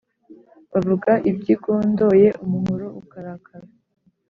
Bavuga ibyigondoye umuhoro ukarakara.